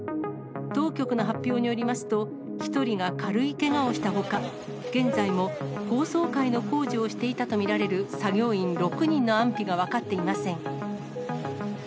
当局の発表によりますと、１人が軽いけがをしたほか、現在も、高層階の工事をしていたと見られる作業員６人の安否が分かっていません。